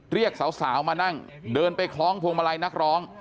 เรียกสาวมานั่งเดินไปคล้องพวงมาลัยนักร้อง